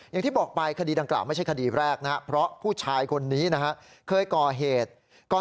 ยังบอกไปคดีดังกล่าวไม่ใช่คดีแรกนะครับเพราะผู้ชายคนนี้เคยก่อเหตุก่อน